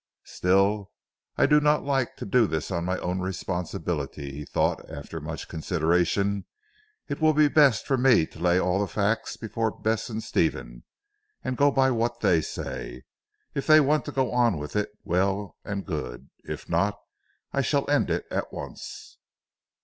"Still I do not like to do this on my own responsibility," he thought after much consideration, "it will be best for me to lay all the facts before Bess and Stephen, and go by what they say. If they want to go on with it, well and good. If not, I shall end it at once."